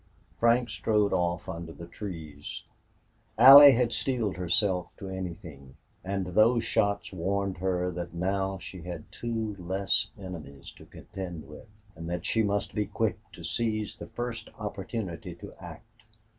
Frank strode off under the trees. Allie had steeled herself to anything, and those shots warned her that now she had two less enemies to contend with, and that she must be quick to seize the first opportunity to act.